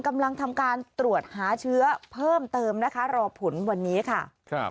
กำลังทำการตรวจหาเชื้อเพิ่มเติมนะคะรอผลวันนี้ค่ะครับ